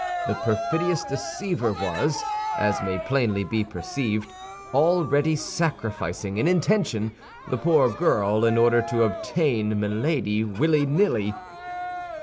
The perfidious deceiver was, as may plainly be perceived, already sacrificing, in intention, the poor girl in order to obtain Milady, willy nilly.